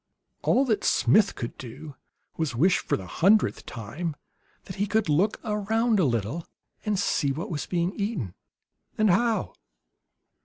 All that Smith could do was to wish, for the hundredth time, that he could look around a little and see what was being eaten, and how.